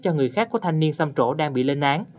cho người khác có thanh niên xâm trổ đang bị lên án